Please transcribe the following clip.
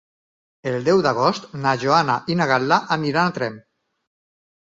El deu d'agost na Joana i na Gal·la aniran a Tremp.